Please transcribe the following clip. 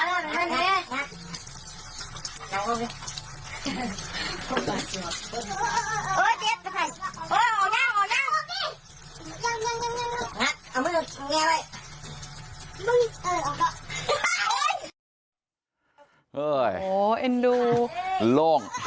โอ้ยอันดูโล่ง